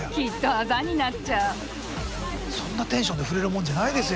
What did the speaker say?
そんなテンションで触れるもんじゃないですよ